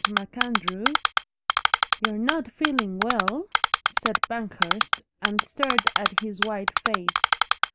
MacAndrew " "You're not feeling WELL?" said Banghurst, and stared at his white face.